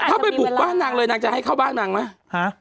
ถ้าไปบุกบ้านนางเลยนางจะให้เข้าบ้านนางไหม